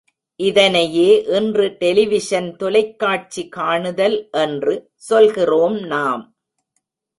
இதனையே இன்று டெலிவிஷன் தொலைக்காட்சி காணுதல் என்று சொல்கிறோம் நாம்.